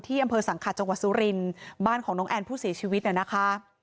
อำเภอสังขัดจังหวัดสุรินทร์บ้านของน้องแอนผู้เสียชีวิตน่ะนะคะ